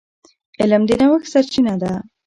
علم د نوښت سرچینه ده.